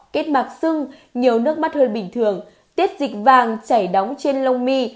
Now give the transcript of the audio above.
kết mạc sưng nhiều nước mắt hơn bình thường tiết dịch vàng chảy đóng trên lông mi